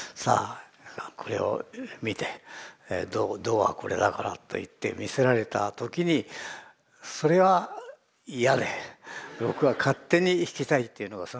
これを見て「ド」はこれだからといって見せられた時にそれは嫌で僕は勝手に弾きたいっていうのがその時からあったんですね。